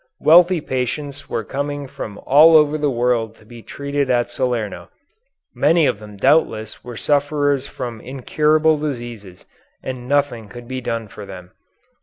Wealthy patients were coming from all over the world to be treated at Salerno. Many of them doubtless were sufferers from incurable diseases and nothing could be done for them.